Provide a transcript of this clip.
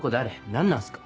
何なんすか？